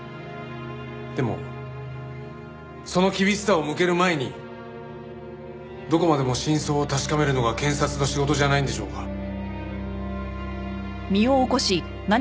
でもその厳しさを向ける前にどこまでも真相を確かめるのが検察の仕事じゃないんでしょうか。